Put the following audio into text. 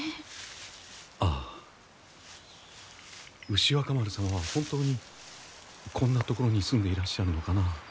牛若丸様は本当にこんな所に住んでいらっしゃるのかなあ。